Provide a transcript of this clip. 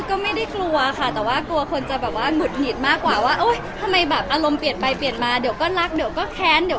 ก็ไม่ได้กลัวค่ะแต่กลัวคนจะหมุดหงีดทำไมอารมณ์เปลี่ยนไปเปลี่ยนมาเดี๋ยวก็รักเดี๋ยวก็แขน